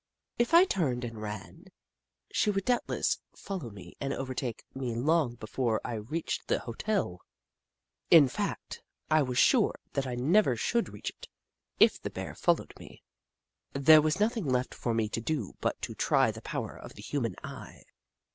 If I turned and ran, she would doubtless fol low me and overtake me long before I reached the hotel. In fact, I was sure that I never should reach it, if the Bear followed me. 62 The Book of Clever Beasts There was nothing left for me to do but to try the power of the human eye.